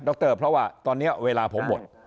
รเพราะว่าตอนนี้เวลาผมหมด